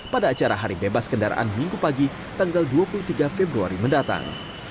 pada acara hari bebas kendaraan minggu pagi tanggal dua puluh tiga februari mendatang